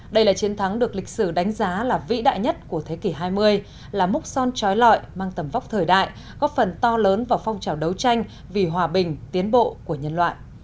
đây là chiến thắng được lịch sử đánh giá là vĩ đại nhất của thế kỷ hai mươi là múc son trói lọi mang tầm vóc thời đại góp phần to lớn vào phong trào đấu tranh vì hòa bình tiến bộ của nhân loại